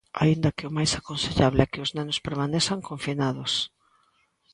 Aínda que o máis aconsellable é que os nenos permanezan confinados.